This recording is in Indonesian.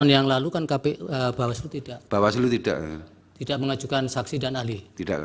yang lalu kan bawaslu tidak mengajukan saksi dan alih